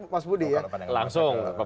mas budi ya langsung